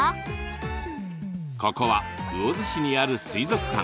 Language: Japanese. ここは魚津市にある水族館。